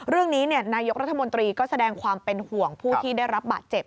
เรื่องนี้นายกรัฐมนตรีก็แสดงความเป็นห่วงผู้ที่ได้รับบาดเจ็บ